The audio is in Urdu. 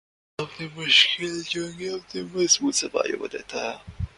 اللہ اپنی مشکل جنگیں اپنے مضبوط سپاہیوں کو دیتا ہے